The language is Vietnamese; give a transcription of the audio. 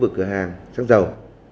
vực cửa hàng xăng dầu